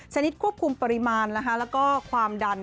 ควบคุมปริมาณแล้วก็ความดัน